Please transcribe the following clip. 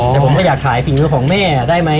แต่ผมก็อยากขายฝีมือของแม่ได้ไหม